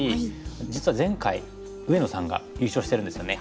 実は前回上野さんが優勝してるんですよね。